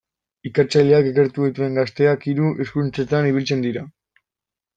Ikertzaileak ikertu dituen gazteak hiru hizkuntzetan ibiltzen dira.